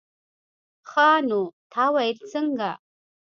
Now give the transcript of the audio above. ښه نو تا ويل څنگه.